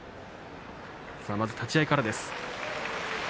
まず立ち合いからです。